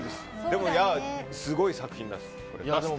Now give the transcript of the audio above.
でも、すごい作品です。